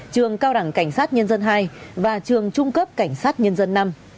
trường cao đẳng cảnh sát nhân dân hai và trường trung cấp cảnh sát nhân dân năm